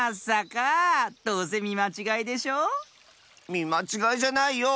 みまちがいじゃないよ。